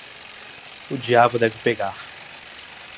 O diabo deve pegar!